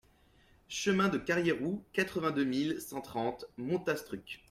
Chemin de Carrayrou, quatre-vingt-deux mille cent trente Montastruc